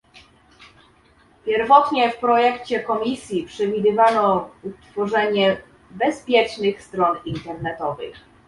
Pierwotnie w projekcie Komisji przewidywano utworzenie bezpiecznych stron internetowych